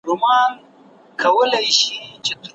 دوی کلونه مخکي په دې ستونزه پوهېدل.